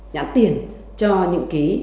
nhãn tiền cho những